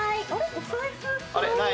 お財布。